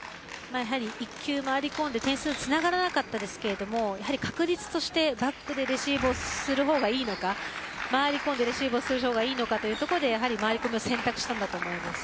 １球、回り込んで点数、つながらなかったですけど確率としてバックでレシーブをする方がいいのか回り込んでレシーブをするほうがいいのかというところで回り込む選択したんだと思います。